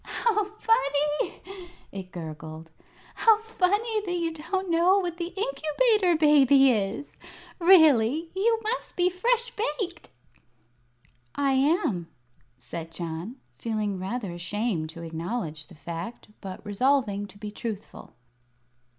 "How funny!" it gurgled; "how funny that you don't know what the Incubator Baby is! Really, you must be fresh baked!" "I am," said John, feeling rather ashamed to acknowledge the fact, but resolving to be truthful.